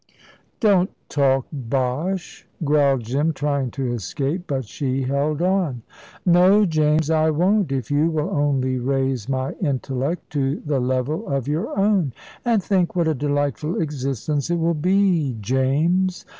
"Don't talk bosh," growled Jim, trying to escape; but she held on. "No, James, I won't, if you will only raise my intellect to the level of your own. And think what a delightful existence it will be, James.